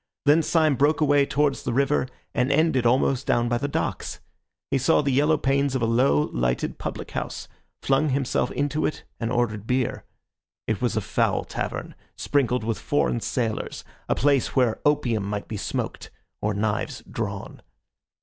Then Syme broke away towards the river, and ended almost down by the docks. He saw the yellow panes of a low, lighted public house, flung himself into it and ordered beer. It was a foul tavern, sprinkled with foreign sailors, a place where opium might be smoked or knives drawn.